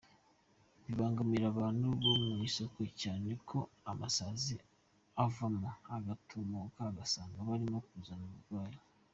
Bibangamira abantu bo mu isoko cyane kuko amasazi avamo agatumuka ugasanga birimo kuzana uburwayi”.